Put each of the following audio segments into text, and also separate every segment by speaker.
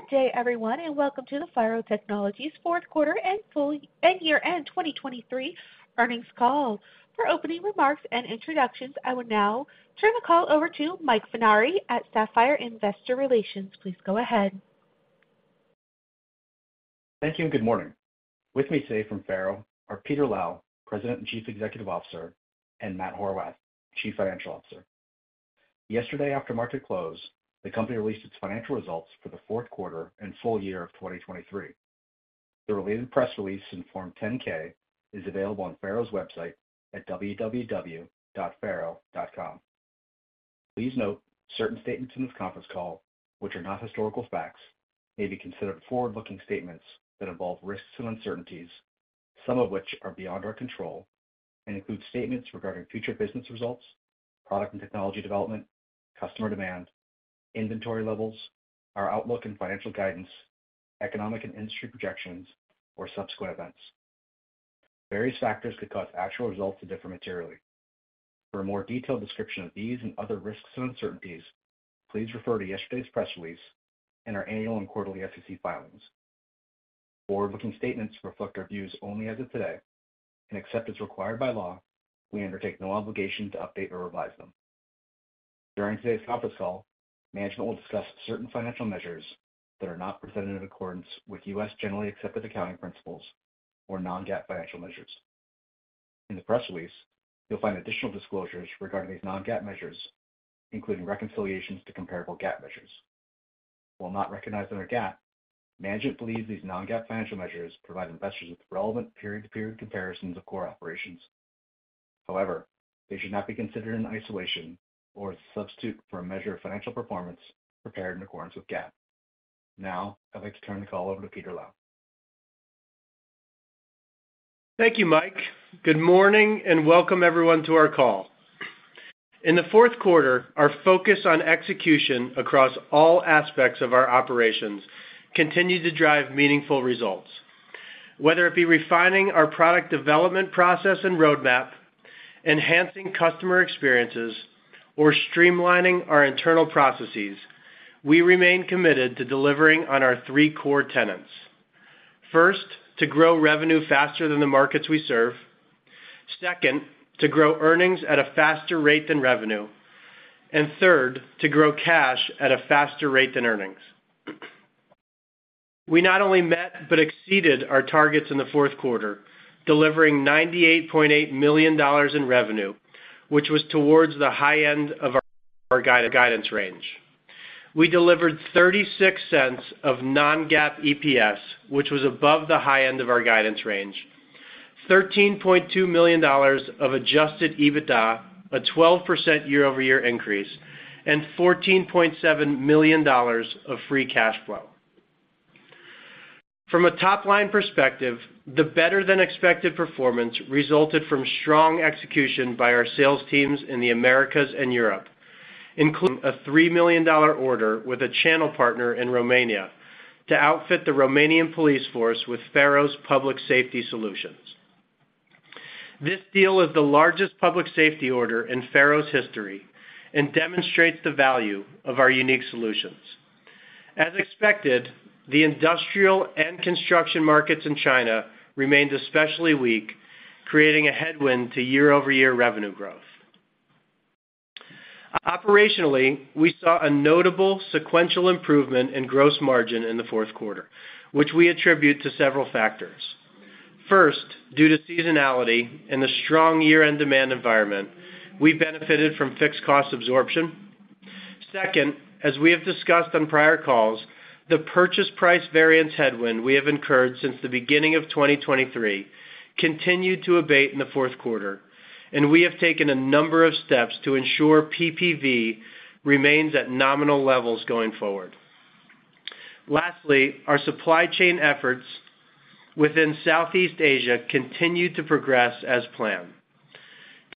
Speaker 1: Good day, everyone, and welcome to the FARO Technologies fourth quarter and full and year-end 2023 earnings call. For opening remarks and introductions, I will now turn the call over to Mike Funari at Sapphire Investor Relations. Please go ahead.
Speaker 2: Thank you and good morning. With me today from FARO are Peter Lau, President and Chief Executive Officer, and Matt Horwath, Chief Financial Officer. Yesterday, after market close, the company released its financial results for the fourth quarter and full year of 2023. The related press release and Form 10-K is available on FARO's website at www.faro.com. Please note certain statements in this conference call, which are not historical facts, may be considered forward-looking statements that involve risks and uncertainties, some of which are beyond our control, and include statements regarding future business results, product and technology development, customer demand, inventory levels, our outlook and financial guidance, economic and industry projections, or subsequent events. Various factors could cause actual results to differ materially. For a more detailed description of these and other risks and uncertainties, please refer to yesterday's press release and our annual and quarterly SEC filings. Forward-looking statements reflect our views only as of today, and except as required by law, we undertake no obligation to update or revise them. During today's conference call, management will discuss certain financial measures that are not presented in accordance with U.S. generally accepted accounting principles or non-GAAP financial measures. In the press release, you'll find additional disclosures regarding these non-GAAP measures, including reconciliations to comparable GAAP measures. While not recognized under GAAP, management believes these non-GAAP financial measures provide investors with relevant period-to-period comparisons of core operations. However, they should not be considered in isolation or as a substitute for a measure of financial performance prepared in accordance with GAAP. Now, I'd like to turn the call over to Peter Lau.
Speaker 3: Thank you, Mike. Good morning and welcome, everyone, to our call. In the fourth quarter, our focus on execution across all aspects of our operations continued to drive meaningful results. Whether it be refining our product development process and roadmap, enhancing customer experiences, or streamlining our internal processes, we remain committed to delivering on our three core tenets. First, to grow revenue faster than the markets we serve. Second, to grow earnings at a faster rate than revenue. And third, to grow cash at a faster rate than earnings. We not only met but exceeded our targets in the fourth quarter, delivering $98.8 million in revenue, which was towards the high end of our guidance range. We delivered $0.36 non-GAAP EPS, which was above the high end of our guidance range, $13.2 million of Adjusted EBITDA, a 12% year-over-year increase, and $14.7 million of free cash flow. From a top-line perspective, the better-than-expected performance resulted from strong execution by our sales teams in the Americas and Europe, including a $3 million order with a channel partner in Romania to outfit the Romanian police force with FARO's public safety solutions. This deal is the largest public safety order in FARO's history and demonstrates the value of our unique solutions. As expected, the industrial and construction markets in China remained especially weak, creating a headwind to year-over-year revenue growth. Operationally, we saw a notable sequential improvement in gross margin in the fourth quarter, which we attribute to several factors. First, due to seasonality and the strong year-end demand environment, we benefited from fixed cost absorption. Second, as we have discussed on prior calls, the purchase price variance headwind we have incurred since the beginning of 2023 continued to abate in the fourth quarter, and we have taken a number of steps to ensure PPV remains at nominal levels going forward. Lastly, our supply chain efforts within Southeast Asia continued to progress as planned.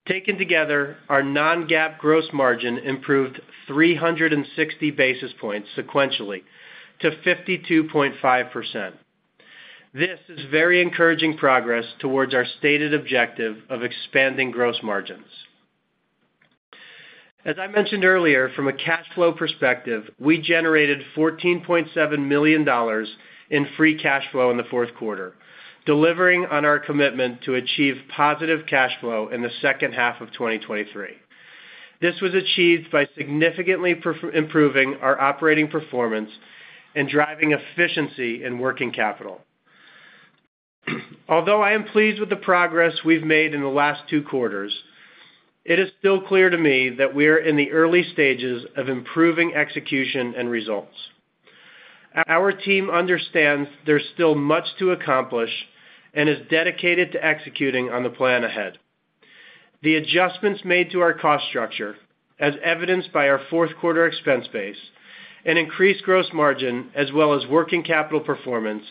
Speaker 3: Taken together, our non-GAAP gross margin improved 360 basis points sequentially to 52.5%. This is very encouraging progress towards our stated objective of expanding gross margins. As I mentioned earlier, from a cash flow perspective, we generated $14.7 million in free cash flow in the fourth quarter, delivering on our commitment to achieve positive cash flow in the second half of 2023. This was achieved by significantly improving our operating performance and driving efficiency in working capital. Although I am pleased with the progress we've made in the last two quarters, it is still clear to me that we are in the early stages of improving execution and results. Our team understands there's still much to accomplish and is dedicated to executing on the plan ahead. The adjustments made to our cost structure, as evidenced by our fourth quarter expense base and increased gross margin as well as working capital performance,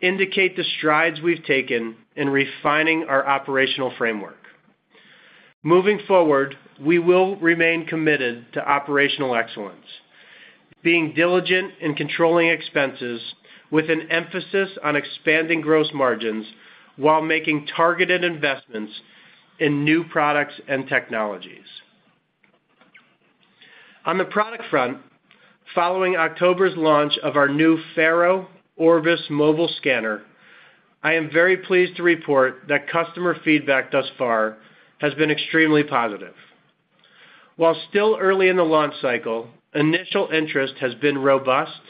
Speaker 3: indicate the strides we've taken in refining our operational framework. Moving forward, we will remain committed to operational excellence, being diligent in controlling expenses with an emphasis on expanding gross margins while making targeted investments in new products and technologies. On the product front, following October's launch of our new FARO Orbis mobile scanner, I am very pleased to report that customer feedback thus far has been extremely positive. While still early in the launch cycle, initial interest has been robust,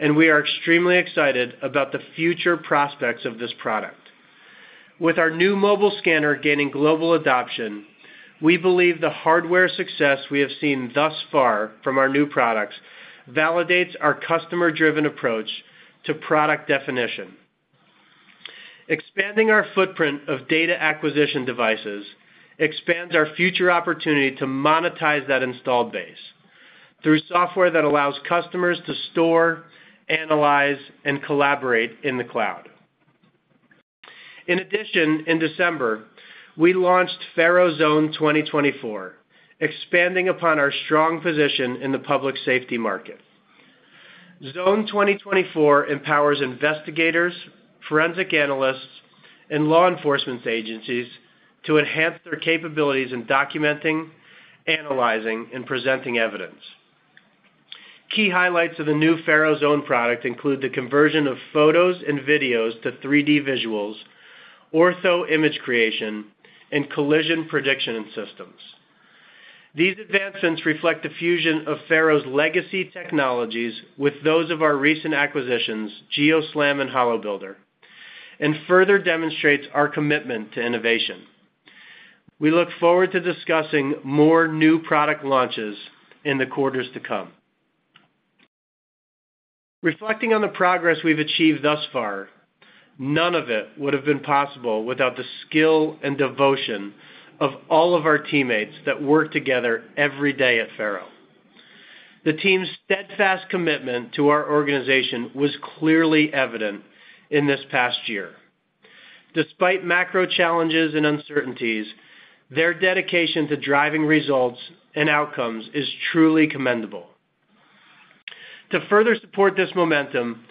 Speaker 3: and we are extremely excited about the future prospects of this product. With our new mobile scanner gaining global adoption, we believe the hardware success we have seen thus far from our new products validates our customer-driven approach to product definition. Expanding our footprint of data acquisition devices expands our future opportunity to monetize that installed base through software that allows customers to store, analyze, and collaborate in the cloud. In addition, in December, we launched FARO Zone 2024, expanding upon our strong position in the public safety market. Zone 2024 empowers investigators, forensic analysts, and law enforcement agencies to enhance their capabilities in documenting, analyzing, and presenting evidence. Key highlights of the new FARO Zone product include the conversion of photos and videos to 3D visuals, orthoimage creation, and collision prediction in systems. These advancements reflect a fusion of FARO's legacy technologies with those of our recent acquisitions, GeoSLAM and HoloBuilder, and further demonstrate our commitment to innovation. We look forward to discussing more new product launches in the quarters to come. Reflecting on the progress we've achieved thus far, none of it would have been possible without the skill and devotion of all of our teammates that work together every day at FARO. The team's steadfast commitment to our organization was clearly evident in this past year. Despite macro challenges and uncertainties, their dedication to driving results and outcomes is truly commendable. To further support this momentum,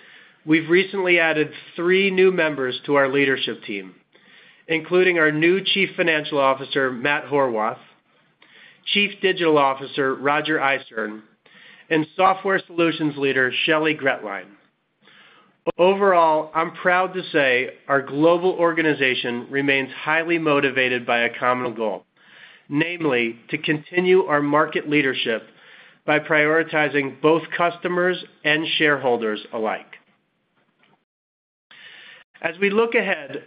Speaker 3: we've recently added three new members to our leadership team, including our new Chief Financial Officer, Matt Horwath, Chief Digital Officer, Roger Eisthen, and Software Solutions Leader, Shelley Gretlein. Overall, I'm proud to say our global organization remains highly motivated by a common goal, namely to continue our market leadership by prioritizing both customers and shareholders alike. As we look ahead,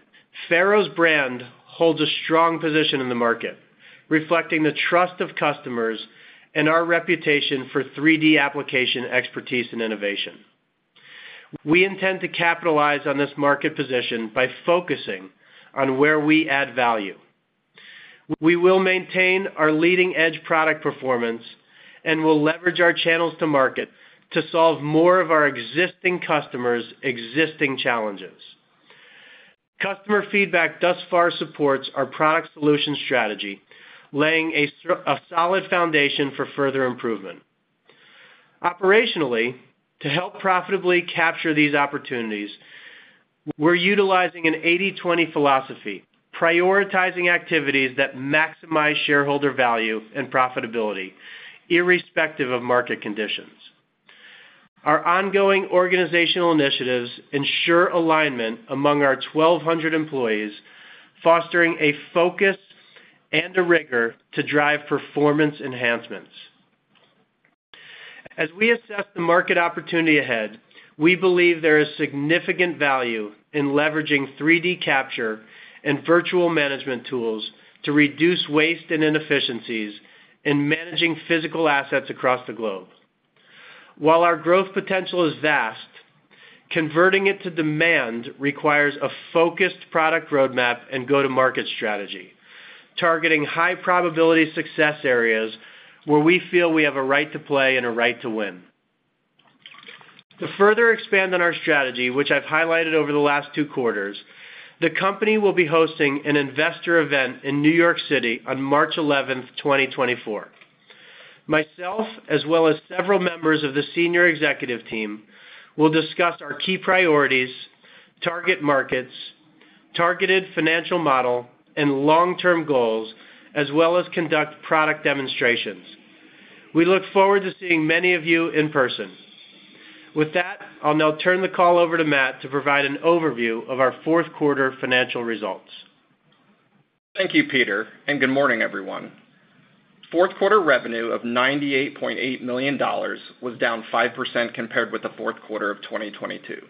Speaker 3: FARO's brand holds a strong position in the market, reflecting the trust of customers and our reputation for 3D application expertise and innovation. We intend to capitalize on this market position by focusing on where we add value. We will maintain our leading-edge product performance and will leverage our channels to market to solve more of our existing customers' existing challenges. Customer feedback thus far supports our product solution strategy, laying a solid foundation for further improvement. Operationally, to help profitably capture these opportunities, we're utilizing an 80/20 philosophy, prioritizing activities that maximize shareholder value and profitability irrespective of market conditions. Our ongoing organizational initiatives ensure alignment among our 1,200 employees, fostering a focus and a rigor to drive performance enhancements. As we assess the market opportunity ahead, we believe there is significant value in leveraging 3D capture and virtual management tools to reduce waste and inefficiencies in managing physical assets across the globe. While our growth potential is vast, converting it to demand requires a focused product roadmap and go-to-market strategy, targeting high-probability success areas where we feel we have a right to play and a right to win. To further expand on our strategy, which I've highlighted over the last two quarters, the company will be hosting an investor event in New York City on March 11th, 2024. Myself, as well as several members of the senior executive team, will discuss our key priorities, target markets, targeted financial model, and long-term goals, as well as conduct product demonstrations. We look forward to seeing many of you in person. With that, I'll now turn the call over to Matt to provide an overview of our fourth quarter financial results.
Speaker 4: Thank you, Peter, and good morning, everyone. Fourth quarter revenue of $98.8 million was down 5% compared with the fourth quarter of 2022.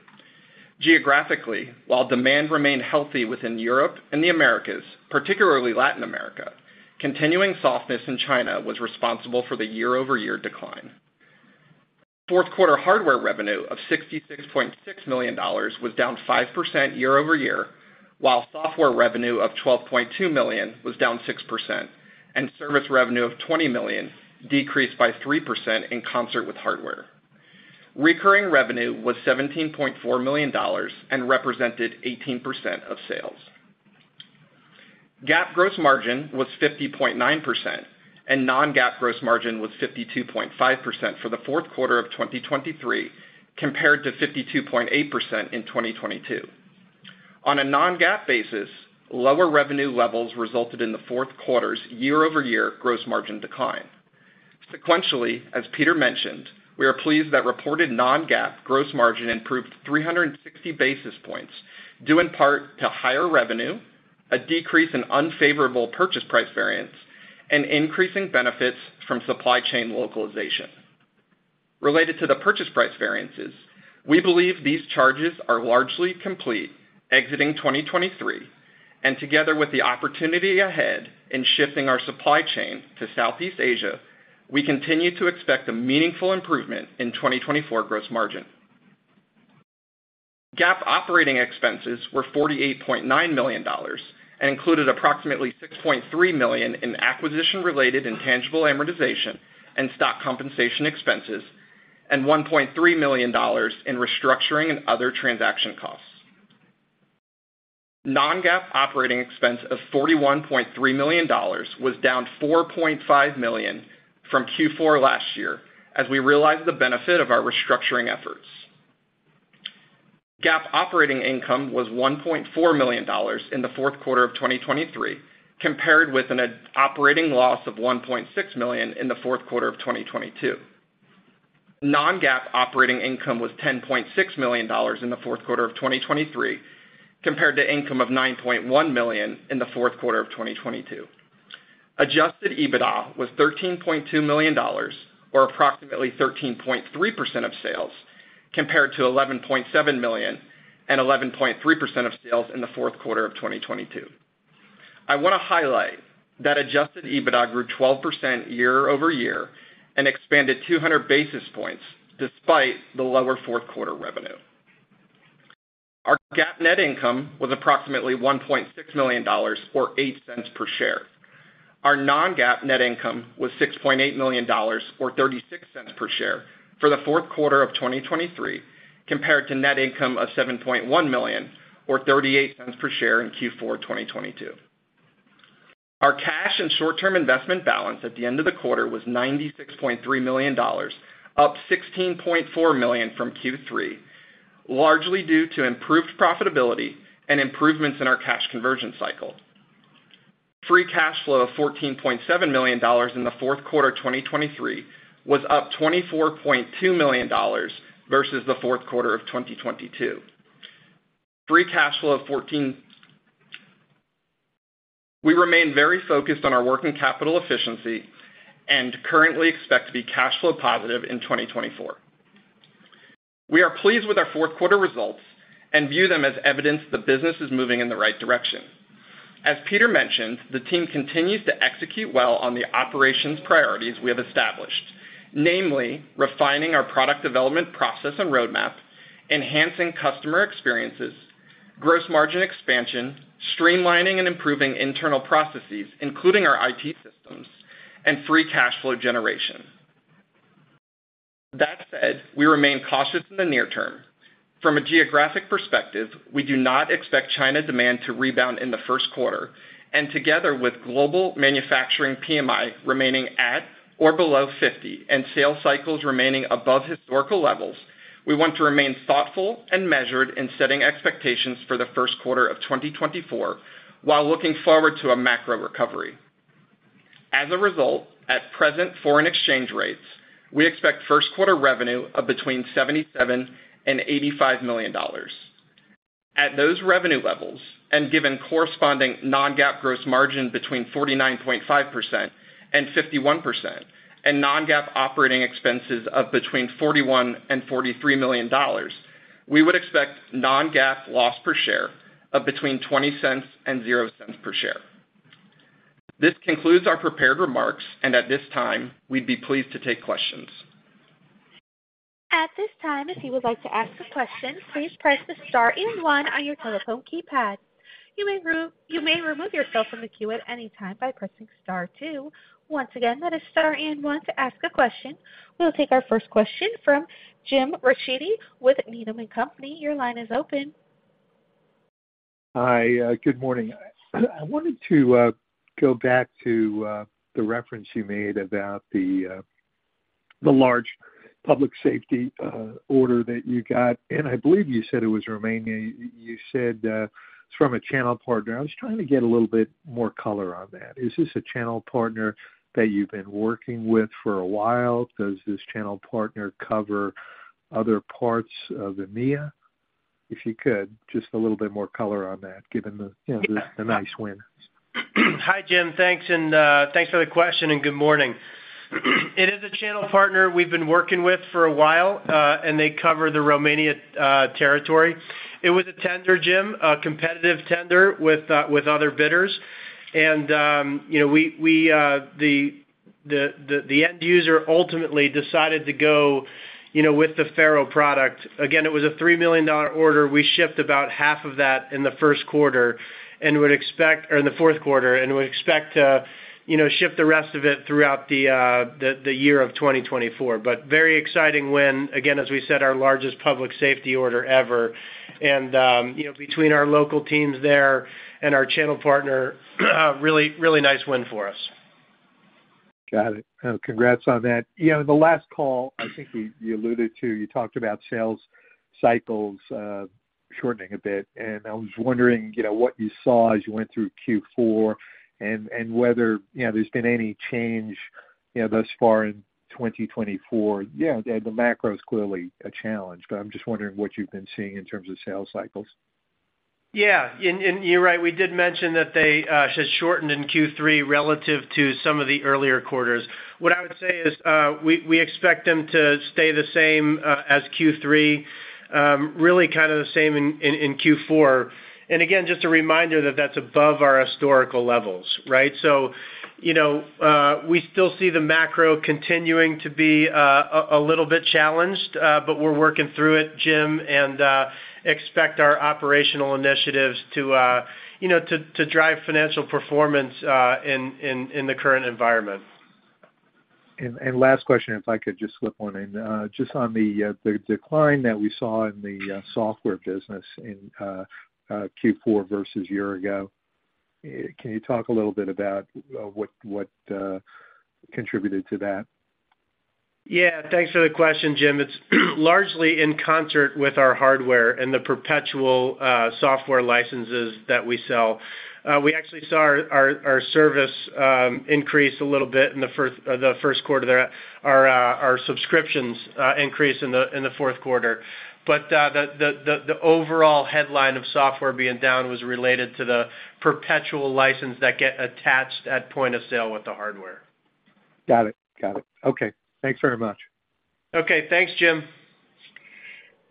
Speaker 4: Geographically, while demand remained healthy within Europe and the Americas, particularly Latin America, continuing softness in China was responsible for the year-over-year decline. Fourth quarter hardware revenue of $66.6 million was down 5% year-over-year, while software revenue of $12.2 million was down 6%, and service revenue of $20 million decreased by 3% in concert with hardware. Recurring revenue was $17.4 million and represented 18% of sales. GAAP gross margin was 50.9%, and non-GAAP gross margin was 52.5% for the fourth quarter of 2023, compared to 52.8% in 2022. On a non-GAAP basis, lower revenue levels resulted in the fourth quarter's year-over-year gross margin decline. Sequentially, as Peter mentioned, we are pleased that reported non-GAAP gross margin improved 360 basis points, due in part to higher revenue, a decrease in unfavorable purchase price variance, and increasing benefits from supply chain localization. Related to the purchase price variances, we believe these charges are largely complete, exiting 2023, and together with the opportunity ahead in shifting our supply chain to Southeast Asia, we continue to expect a meaningful improvement in 2024 gross margin. GAAP operating expenses were $48.9 million and included approximately $6.3 million in acquisition-related intangible amortization and stock compensation expenses, and $1.3 million in restructuring and other transaction costs. non-GAAP operating expense of $41.3 million was down 4.5 million from Q4 last year, as we realized the benefit of our restructuring efforts. GAAP operating income was $1.4 million in the fourth quarter of 2023, compared with an operating loss of $1.6 million in the fourth quarter of 2022. Non-GAAP operating income was $10.6 million in the fourth quarter of 2023, compared to income of $9.1 million in the fourth quarter of 2022. Adjusted EBITDA was $13.2 million, or approximately 13.3% of sales, compared to $11.7 million and 11.3% of sales in the fourth quarter of 2022. I want to highlight that Adjusted EBITDA grew 12% year-over-year and expanded 200 basis points despite the lower fourth quarter revenue. Our GAAP net income was approximately $1.6 million, or $0.08 per share. Our non-GAAP net income was $6.8 million, or $0.36 per share, for the fourth quarter of 2023, compared to net income of $7.1 million, or $0.38 per share in Q4 2022. Our cash and short-term investment balance at the end of the quarter was $96.3 million, up $16.4 million from Q3, largely due to improved profitability and improvements in our cash conversion cycle. Free cash flow of $14.7 million in the fourth quarter 2023 was up $24.2 million versus the fourth quarter of 2022. Free cash flow of $14. We remain very focused on our working capital efficiency and currently expect to be cash flow positive in 2024. We are pleased with our fourth quarter results and view them as evidence the business is moving in the right direction. As Peter mentioned, the team continues to execute well on the operations priorities we have established, namely refining our product development process and roadmap, enhancing customer experiences, gross margin expansion, streamlining and improving internal processes, including our IT systems, and free cash flow generation. That said, we remain cautious in the near term. From a geographic perspective, we do not expect China demand to rebound in the first quarter, and together with global manufacturing PMI remaining at or below 50 and sales cycles remaining above historical levels, we want to remain thoughtful and measured in setting expectations for the first quarter of 2024 while looking forward to a macro recovery. As a result, at present foreign exchange rates, we expect first quarter revenue of between $77-$85 million. At those revenue levels, and given corresponding non-GAAP gross margin between 49.5%-51%, and non-GAAP operating expenses of between $41-$43 million, we would expect non-GAAP loss per share of between $0.20-$0.00 per share. This concludes our prepared remarks, and at this time, we'd be pleased to take questions.
Speaker 1: At this time, if you would like to ask a question, please press the star and one on your telephone keypad. You may remove yourself from the queue at any time by pressing star two. Once again, that is star and one to ask a question. We'll take our first question from Jim Ricchiuti with Needham & Company. Your line is open.
Speaker 5: Hi. Good morning. I wanted to go back to the reference you made about the large public safety order that you got, and I believe you said it was Romania. You said it's from a channel partner. I was trying to get a little bit more color on that. Is this a channel partner that you've been working with for a while? Does this channel partner cover other parts of EMEA? If you could, just a little bit more color on that, given the nice win.
Speaker 3: Hi, Jim. Thanks. Thanks for the question, and good morning. It is a channel partner we've been working with for a while, and they cover the Romania territory. It was a tender, Jim, a competitive tender with other bidders. The end user ultimately decided to go with the FARO product. Again, it was a $3 million order. We shipped about $1.5 million of that in the first quarter and would expect or in the fourth quarter, and would expect to ship the rest of it throughout the year of 2024. But very exciting win. Again, as we said, our largest public safety order ever. Between our local teams there and our channel partner, really nice win for us.
Speaker 5: Got it. Congrats on that. The last call, I think you alluded to, you talked about sales cycles shortening a bit, and I was wondering what you saw as you went through Q4 and whether there's been any change thus far in 2024. The macro's clearly a challenge, but I'm just wondering what you've been seeing in terms of sales cycles.
Speaker 3: Yeah. And you're right. We did mention that they had shortened in Q3 relative to some of the earlier quarters. What I would say is we expect them to stay the same as Q3, really kind of the same in Q4. And again, just a reminder that that's above our historical levels, right? So we still see the macro continuing to be a little bit challenged, but we're working through it, Jim, and expect our operational initiatives to drive financial performance in the current environment.
Speaker 5: Last question, if I could just slip one. Just on the decline that we saw in the software business in Q4 versus year ago, can you talk a little bit about what contributed to that?
Speaker 3: Yeah. Thanks for the question, Jim. It's largely in concert with our hardware and the perpetual software licenses that we sell. We actually saw our service increase a little bit in the first quarter there, our subscriptions increase in the fourth quarter. But the overall headline of software being down was related to the perpetual license that get attached at point of sale with the hardware.
Speaker 5: Got it. Got it. Okay. Thanks very much.
Speaker 4: Okay. Thanks, Jim.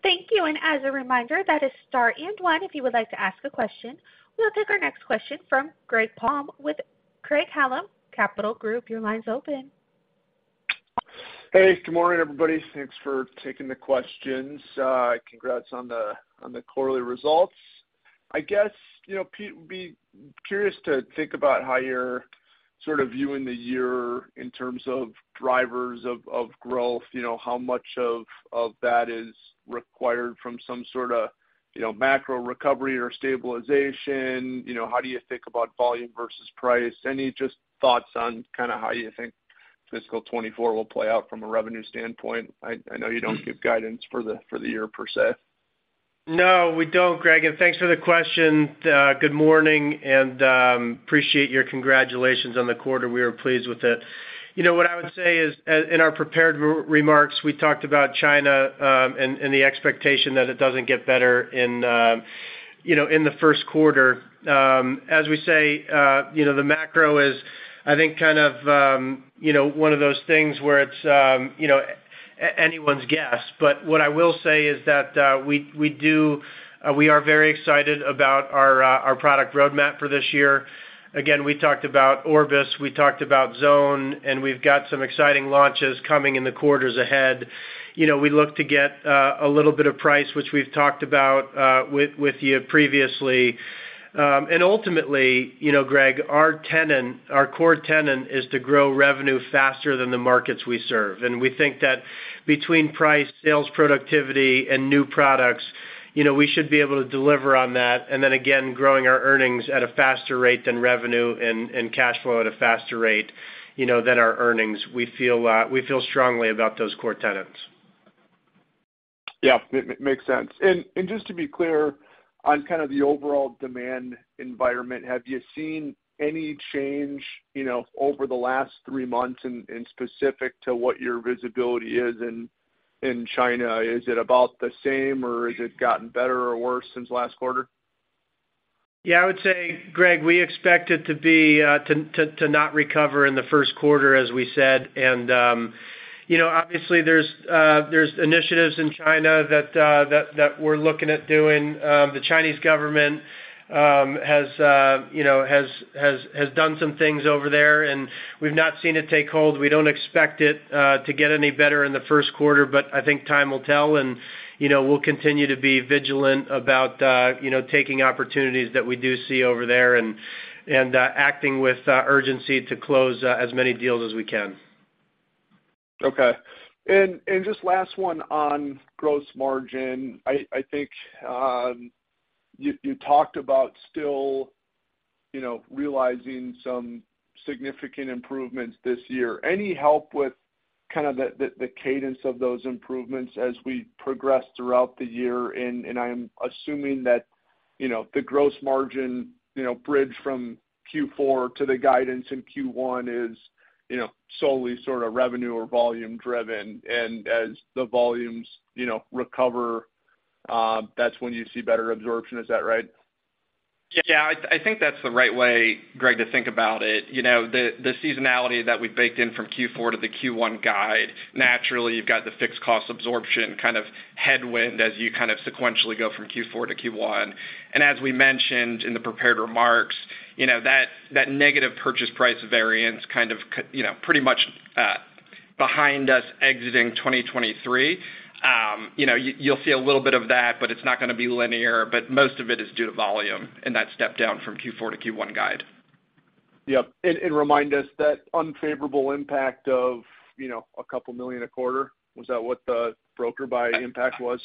Speaker 1: Thank you. And as a reminder, that is star and one if you would like to ask a question. We'll take our next question from Greg Palm with Craig-Hallum Capital Group. Your line's open.
Speaker 6: Hey. Good morning, everybody. Thanks for taking the questions. Congrats on the quarterly results. I guess, Pete, we'd be curious to think about how you're sort of viewing the year in terms of drivers of growth, how much of that is required from some sort of macro recovery or stabilization. How do you think about volume versus price? Any just thoughts on kind of how you think fiscal 2024 will play out from a revenue standpoint? I know you don't give guidance for the year per se.
Speaker 3: No, we don't, Greg. Thanks for the question. Good morning, and appreciate your congratulations on the quarter. We are pleased with it. What I would say is, in our prepared remarks, we talked about China and the expectation that it doesn't get better in the first quarter. As we say, the macro is, I think, kind of one of those things where it's anyone's guess. But what I will say is that we are very excited about our product roadmap for this year. Again, we talked about Orbis. We talked about Zone. We've got some exciting launches coming in the quarters ahead. We look to get a little bit of price, which we've talked about with you previously. Ultimately, Greg, our core tenet is to grow revenue faster than the markets we serve. We think that between price, sales productivity, and new products, we should be able to deliver on that. And then again, growing our earnings at a faster rate than revenue and cash flow at a faster rate than our earnings. We feel strongly about those core tenets.
Speaker 6: Yeah. It makes sense. Just to be clear on kind of the overall demand environment, have you seen any change over the last three months in specific to what your visibility is in China? Is it about the same, or has it gotten better or worse since last quarter?
Speaker 3: Yeah. I would say, Greg, we expect it to not recover in the first quarter, as we said. And obviously, there's initiatives in China that we're looking at doing. The Chinese government has done some things over there, and we've not seen it take hold. We don't expect it to get any better in the first quarter, but I think time will tell. And we'll continue to be vigilant about taking opportunities that we do see over there and acting with urgency to close as many deals as we can.
Speaker 6: Okay. And just last one on gross margin. I think you talked about still realizing some significant improvements this year. Any help with kind of the cadence of those improvements as we progress throughout the year? And I'm assuming that the gross margin bridge from Q4 to the guidance in Q1 is solely sort of revenue or volume-driven. And as the volumes recover, that's when you see better absorption. Is that right?
Speaker 4: Yeah. I think that's the right way, Greg, to think about it. The seasonality that we've baked in from Q4 to the Q1 guide, naturally, you've got the fixed cost absorption kind of headwind as you kind of sequentially go from Q4 to Q1. And as we mentioned in the prepared remarks, that negative purchase price variance kind of pretty much behind us exiting 2023. You'll see a little bit of that, but it's not going to be linear. But most of it is due to volume and that step down from Q4 to Q1 guide.
Speaker 6: Yep. Remind us that unfavorable impact of $2 million a quarter. Was that what the FX impact was?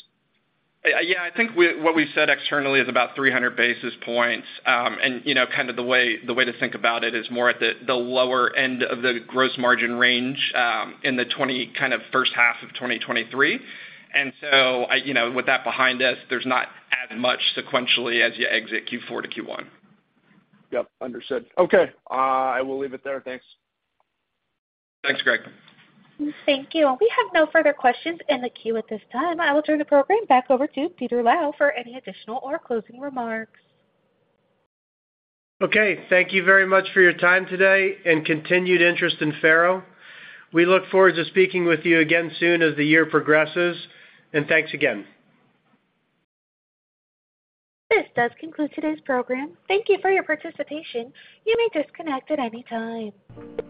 Speaker 4: Yeah. I think what we said externally is about 300 basis points. And kind of the way to think about it is more at the lower end of the gross margin range in the kind of first half of 2023. And so with that behind us, there's not as much sequentially as you exit Q4 to Q1.
Speaker 6: Yep. Understood. Okay. I will leave it there. Thanks.
Speaker 4: Thanks, Greg.
Speaker 1: Thank you. We have no further questions in the queue at this time. I will turn the program back over to Peter Lau for any additional or closing remarks.
Speaker 3: Okay. Thank you very much for your time today and continued interest in FARO. We look forward to speaking with you again soon as the year progresses. Thanks again.
Speaker 1: This does conclude today's program. Thank you for your participation. You may disconnect at any time.